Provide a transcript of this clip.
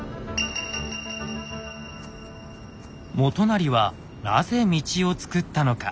元就はなぜ道をつくったのか。